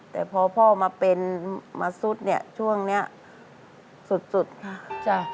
แต่พอพ่อมาเป็นมาซุดเนี่ยช่วงเนี้ยสุดสุดค่ะจ้ะ